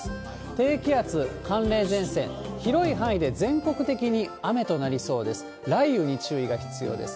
低気圧、寒冷前線、広い範囲で全国的に雨となりそうです。